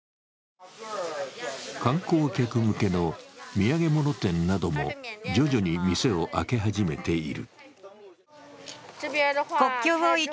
観光客向けの土産物店なども徐々に店を開け始めている。